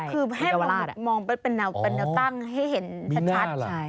คือก็มาให้ผมมองเป็นเหนาตั้งให้เห็นชัด